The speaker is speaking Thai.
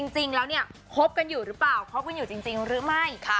จริงแล้วเนี่ยคบกันอยู่หรือเปล่าคบกันอยู่จริงหรือไม่